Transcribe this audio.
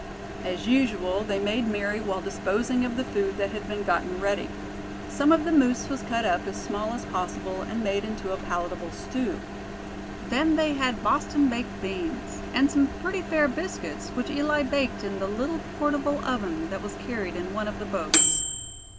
As usual, they made merry while disposing of the food that had been gotten ready. Some of the moose was cut up as small as possible, and made into a palatable stew. Then they had Boston baked beans; and some pretty fair biscuits, which Eli baked in the little portable oven that was carried in one of the boats.